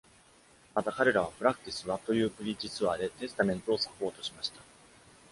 また、彼らは「プラクティス・ワット・ユー・プリーチ」ツアーでテスタメントをサポートしました。